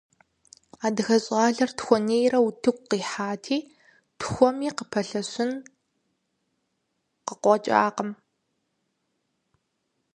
Адыгэ щӀалэр тхуэнейрэ утыку къихьати, тхуэми къыпэлъэщын къыкъуэкӀакъым.